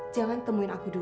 jangan temuin aku dulu